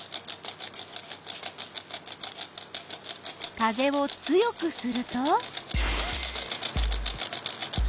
風を強くすると？